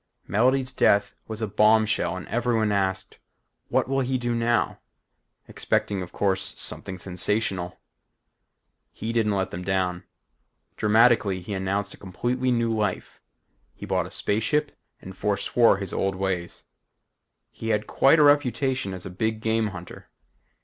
Melody's death was a bombshell and everyone asked. What will he do now? expecting of course, something sensational. He didn't let them down. Dramatically, he announced a completely new life. He bought a space ship and foreswore his old ways. He had quite a reputation as a big game hunter.